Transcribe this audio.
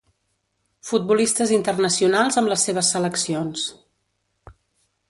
Futbolistes internacionals amb les seves seleccions.